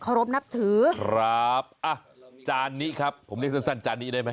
ขอรบนับถือครับอ่ะอาจารย์นี้ครับผมเรียกสั้นอาจารย์นี้ได้ไหม